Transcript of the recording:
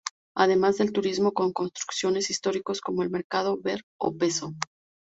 Además del turismo con construcciones históricas como el mercado Ver-o-Peso.